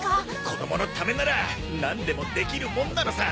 子供のためならなんでもできるもんなのさ。